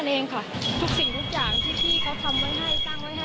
เองค่ะทุกสิ่งทุกอย่างที่พี่เขาทำไว้ให้ตั้งไว้ให้